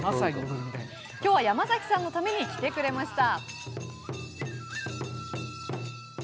今日はヤマザキさんのために来てくれました。